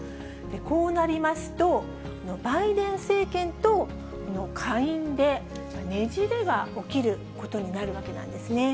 こうなりますと、バイデン政権とこの下院で、ねじれが起きることになるわけなんですね。